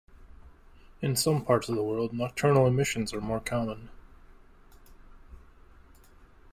In some parts of the world nocturnal emissions are more common.